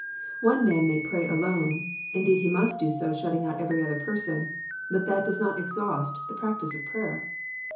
One man may pray alone, indeed he must do so shutting out every other person ; but that does not exhaust the practice of prayer.